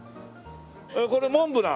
これモンブラン？